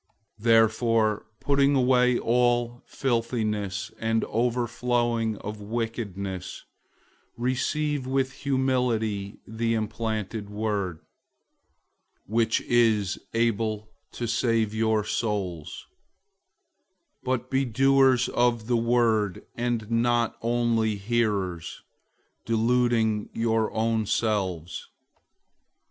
001:021 Therefore, putting away all filthiness and overflowing of wickedness, receive with humility the implanted word, which is able to save your souls{or, preserve your life.}. 001:022 But be doers of the word, and not only hearers, deluding your own selves.